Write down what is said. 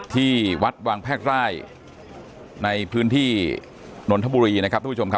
ที่วัดวางแพรกไร่ในพื้นที่นนทบุรีนะครับทุกผู้ชมครับ